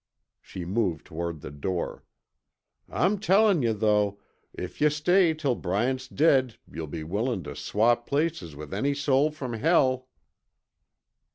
She moved toward the door. "I'm tellin' yuh though, if yuh stay till Bryant's dead you'll be willin' tuh swap places with any soul from hell!"